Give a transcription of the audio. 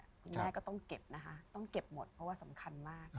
คุณแม่ก็ต้องเก็บนะคะต้องเก็บหมดเพราะว่าสำคัญมาก